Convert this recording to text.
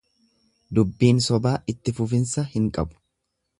Dubbiin sobaa itti fufinsa hin qabu.